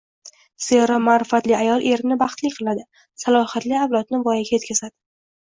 Zero, ma’rifatli ayol erini baxtli qiladi, salohiyatli avlodni voyaga yetkazadi.